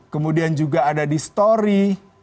kemudian juga ada di story